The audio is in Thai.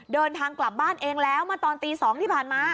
เดินทางกลับบ้านเองแล้วเมื่อตอนตี๒ที่ผ่านมา